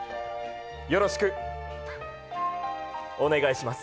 よろしくお願いします。